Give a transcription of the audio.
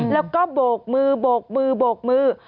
แล้วก็โบกมือโบกมือโบกมือ